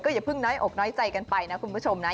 อย่าเพิ่งน้อยอกน้อยใจกันไปนะคุณผู้ชมนะ